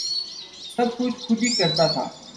سب کچھ خود ہی کر تھا